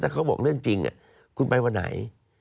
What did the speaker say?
เขาบอกเรื่องจริงคุณไปวันไหน